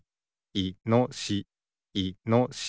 いのしし。